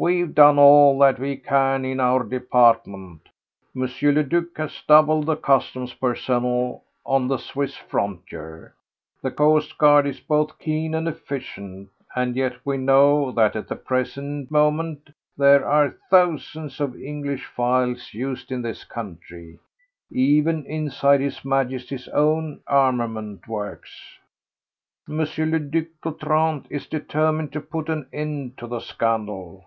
We have done all that we can in our department. M. le Duc has doubled the customs personnel on the Swiss frontier, the coastguard is both keen and efficient, and yet we know that at the present moment there are thousands of English files used in this country, even inside His Majesty's own armament works. M. le Duc d'Otrante is determined to put an end to the scandal.